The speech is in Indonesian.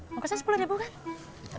maksudnya sepuluh kan